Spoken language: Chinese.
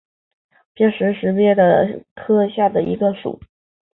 驼石鳖属为石鳖目石鳖科下的一个属。